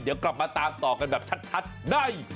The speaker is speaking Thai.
เดี๋ยวกลับมาตามต่อกันแบบชัดได้